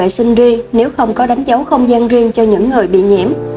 bố trí người nhiễm khỏi người sinh ri nếu không có đánh dấu không gian riêng cho những người bị nhiễm